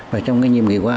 và trong nghiệp nghề qua